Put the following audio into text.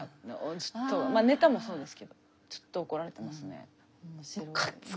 ずっとまぁネタもそうですけどずっと怒られてますね。